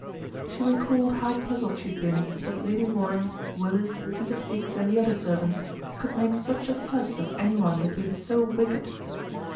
She recalled how puzzled she had been that Lady Warren, Willis, Mrs. Higgs and the other servants could make such a fuss of any one who had been so wicked.